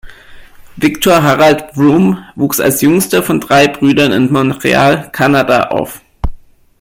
Victor Harald Vroom wuchs als jüngster von drei Brüdern in Montreal, Kanada auf.